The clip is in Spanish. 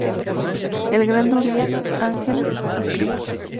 El grande Uriel ángel proscrito.